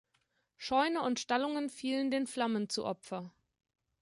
Scheune und Stallungen fielen den Flammen zu Opfer.